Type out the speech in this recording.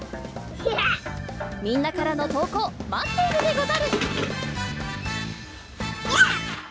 みんなからのとうこうまっているでござる！